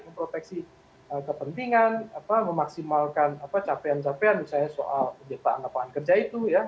memproteksi kepentingan memaksimalkan capaian capaian misalnya soal penciptaan lapangan kerja itu ya